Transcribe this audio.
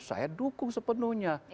saya dukung sepenuhnya